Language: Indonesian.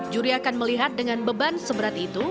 juri akan melihat dengan beban seberat itu